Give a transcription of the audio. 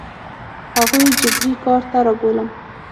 هغوی جبري کار ته رابولم.